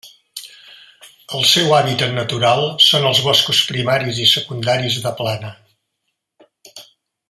El seu hàbitat natural són els boscos primaris i secundaris de plana.